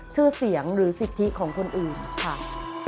ชื่อเสียงหรือสิทธิของคนอื่นค่ะ